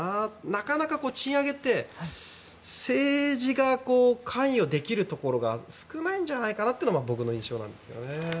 なかなか賃上げって政治が関与できるところが少ないんじゃないかなというのが僕の印象です。